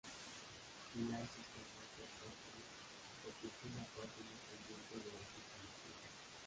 Lanchester Motor Company ocupó una parte independiente de las instalaciones.